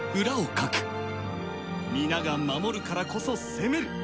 皆が守るからこそ攻める。